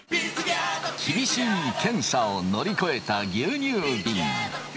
厳しい検査を乗り越えた牛乳びん。